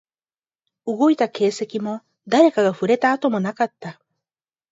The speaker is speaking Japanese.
動いた形跡も、誰かが触れた跡もなかった